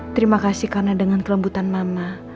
terima kasih karena dengan kelembutan mama